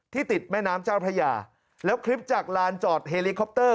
ติดแม่น้ำเจ้าพระยาแล้วคลิปจากลานจอดเฮลิคอปเตอร์